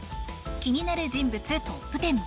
気になる人物トップ１０。